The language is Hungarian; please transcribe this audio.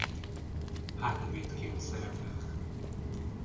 Hátvédként szerepelt.